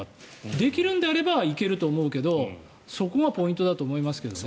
できるんであれば行けると思うけどそこがポイントだと思いますけどね。